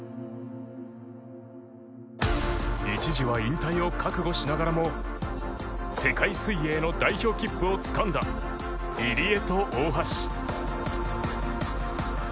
一時は引退を覚悟しながらも世界水泳の代表切符をつかんだ入江と大橋